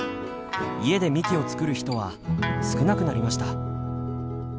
家でみきを作る人は少なくなりました。